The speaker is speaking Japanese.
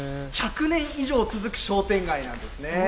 １００年以上続く商店街なんですね。